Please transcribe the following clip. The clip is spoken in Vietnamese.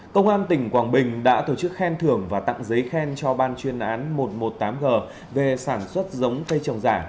công an tỉnh quảng bình đã tổ chức khen thưởng và tặng giấy khen cho ban chuyên án một trăm một mươi tám g về sản xuất giống cây trồng giả